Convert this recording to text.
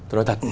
tôi nói thật